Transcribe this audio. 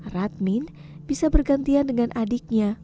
radmin bisa bergantian dengan adiknya